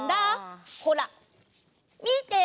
ほらみて！